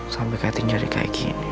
sampai kaya tinjari kaya gini